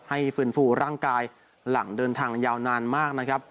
ฟื้นฟูร่างกายหลังเดินทางยาวนานมากนะครับ